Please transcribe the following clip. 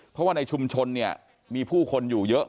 เพราะว่าในชุมชนเนี่ยมีผู้คนอยู่เยอะ